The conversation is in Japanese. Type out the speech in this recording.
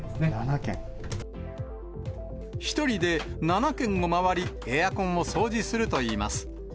１人で７軒をまわり、エアコンを掃除するといいます。